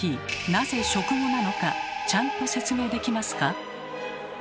なぜ「食後」なのかちゃんと説明できますか？